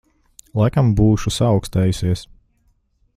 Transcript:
Laikam būšu saaukstējusies.